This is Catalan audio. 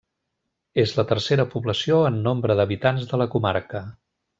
És la tercera població en nombre d'habitants de la comarca.